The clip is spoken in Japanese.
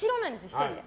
１人で。